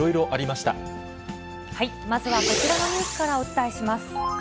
まずはこちらのニュースからお伝えします。